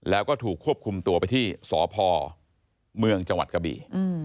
แล้วก็ถูกควบคุมตัวไปที่สพเมืองจังหวัดกะบี่